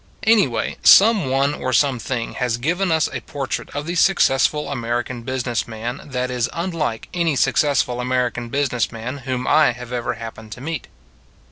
Anyway, some one or something has given us a portrait of the Successful Ameri can Business Man that is unlike any suc cessful American business man whom I have ever happened to meet.